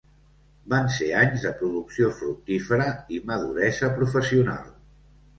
Van ser anys de producció fructífera i maduresa professional.